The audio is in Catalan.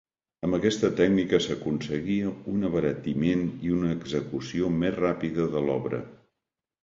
Amb aquesta tècnica s'aconseguia un abaratiment i una execució més ràpida de l'obra.